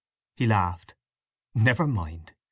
He laughed. "Never mind!"